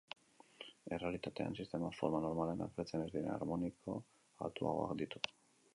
Errealitatean, sistemak forma normalean agertzen ez diren harmoniko altuagoak ditu.